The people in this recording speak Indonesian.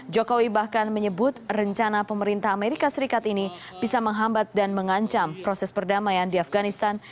jokowi bahkan menyebut rencana pemerintah amerika serikat ini bisa menghambat dan mengancam proses perdamaian di afganistan